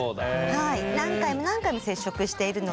はい何回も何回も接触しているので。